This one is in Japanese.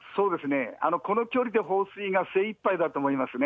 この距離で放水が精いっぱいだと思いますね。